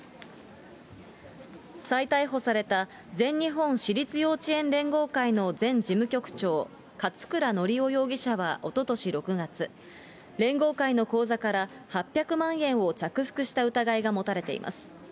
再逮捕された、全日本私立幼稚園連合会の前事務局長、勝倉教雄容疑者はおととし６月、連合会の口座から８００万円を着服した疑いが持たれています。